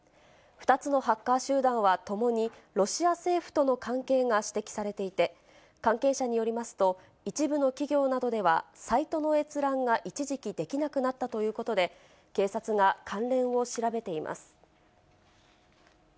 ２つのハッカー集団はともにロシア政府との関係が指摘されていて、関係者によりますと、一部の企業などではサイトの閲覧が一時期できなくなったということで、警察が関連を調べています。